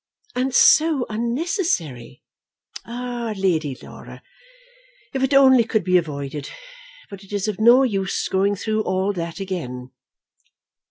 "And so unnecessary." "Ah, Lady Laura, if it only could be avoided! But it is of no use going through all that again."